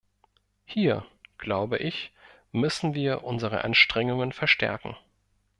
Hier, glaube ich, müssen wir unsere Anstrengungen verstärken.